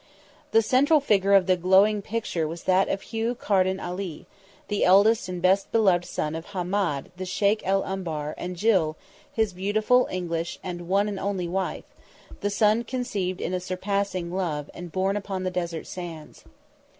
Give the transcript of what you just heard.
The central figure of the glowing picture was that of Hugh Carden Ali, the eldest and best beloved son of Hahmed the Sheikh el Umbar and Jill, his beautiful, English and one and only wife; the son conceived in a surpassing love and born upon the desert sands.